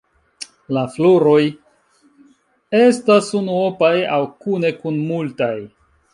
La floroj estas unuopaj aŭ kune kun multaj.